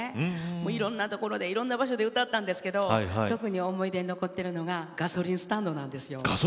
いろいろなところで、いろいろな場所で歌ったんですけれども特に思い出に残っているのはガソリンスタンドなんですよ。